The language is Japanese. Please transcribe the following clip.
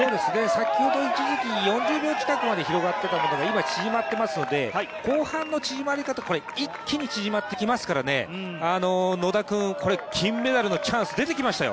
先ほど４０秒ぐらい差があったのが縮まっていますので後半の縮まり方一気に縮まってきますからね野田君、これ金メダルのチャンス出てきましたよ。